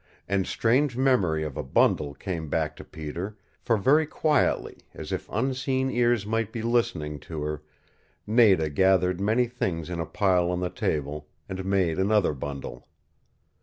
And strange memory of a bundle came back to Peter, for very quietly, as if unseen ears might be listening to her, Nada gathered many things in a pile on the table, and made another bundle.